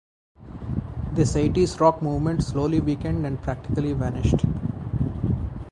This eighties rock movement slowly weakened and practically vanished.